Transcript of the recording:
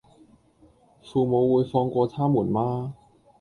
父母會放過他們嗎